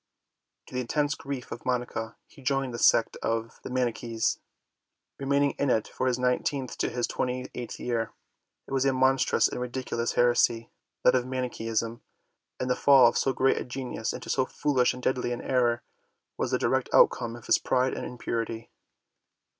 To the intense grief of Monica, he joined the sect of the Manichees, remaining in it from his nineteenth to his twenty eighth year. It was a monstrous and ridiculous heresy, that of Manicheism, and the fall of so great a genius into so foolish and deadly an error was the direct outcome of his pride and impurity.